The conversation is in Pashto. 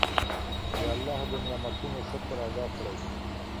د الله د نعمتونو شکر ادا کړئ.